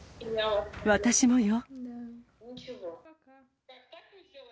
私もよ。